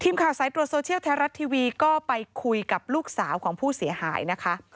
ข่าวสายตรวจโซเชียลแท้รัฐทีวีก็ไปคุยกับลูกสาวของผู้เสียหายนะคะ